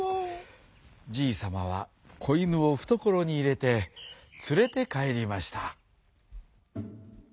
じいさまはこいぬをふところにいれてつれてかえりました。